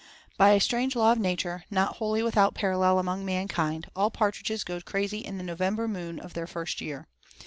By a strange law of nature, not wholly without parallel among mankind, all partridges go crazy in the November moon of their first year.